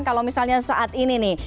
kalau misalnya saat ini nih